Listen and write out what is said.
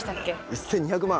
１，２００万！